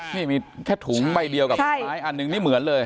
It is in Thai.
นี่มีแค่ถุงใบเดียวกับไม้อันหนึ่งนี่เหมือนเลย